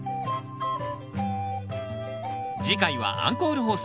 次回はアンコール放送。